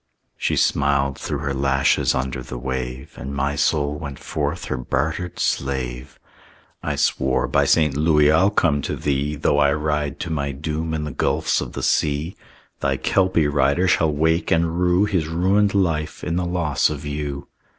She smiled through her lashes under the wave, And my soul went forth her bartered slave. I swore, "By St. Louis, I'll come to thee, Though I ride to my doom in the gulfs of the sea! "Thy Kelpie rider shall wake and rue His ruined life in the loss of you."